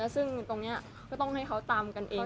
ซึ่งตรงนี้ก็ต้องให้เขาตามกันเอง